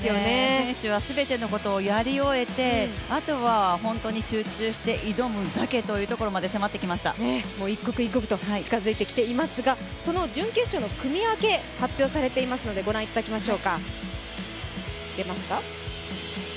選手は全てのことをやり終えて、あとは本当に集中して挑むだけというところに一刻一刻と近づいてきていますがその準決勝の組分け発表されていますのでご覧いただきましょうか。